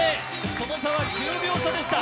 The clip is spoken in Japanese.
その差は１０秒差でした。